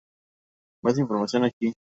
Más información aquí.